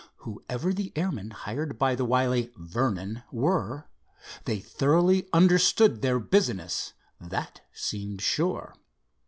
Whoever the airmen hired by the wily Vernon were, they thoroughly understood their business, that seemed sure.